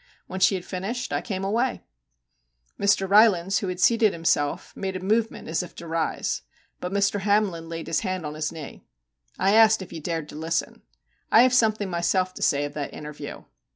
When she had finished, I came away/ Mr. Ry lands, who had seated himself, made a movement as if to rise. But Mr. Hamlin laid his hand on his knee. * I asked you if you dared to listen. I have something myself to say of that interview.